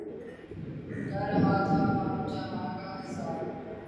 کر رہا تھا غم جہاں کا حساب